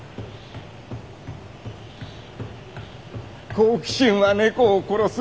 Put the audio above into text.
「好奇心は猫を殺す」